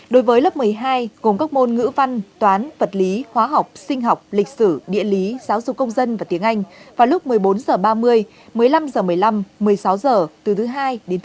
đối với lớp một mươi hai gồm các môn ngữ văn toán vật lý hóa học sinh học lịch sử địa lý giáo dục công dân và tiếng anh vào lúc một mươi bốn h ba mươi một mươi năm h một mươi năm một mươi sáu h từ thứ hai đến thứ sáu